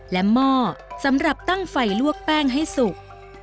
และหม้อสำหรับตั้งไฟลวกแป้งให้สุก